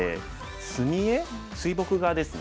墨絵水墨画ですね。